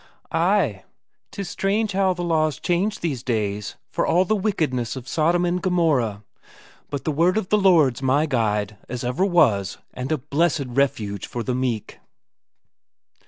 "Ay, 'tis strange how the law's changed these days, for all the wickedness of Sodom and Gomorrah; but the word of the Lord's my guide, as ever was, and a blessed refuge for the meek."